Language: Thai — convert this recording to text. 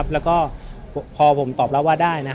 แล้วก็พอผมตอบแล้วว่าได้